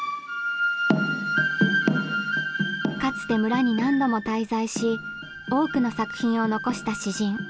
かつて村に何度も滞在し多くの作品を残した詩人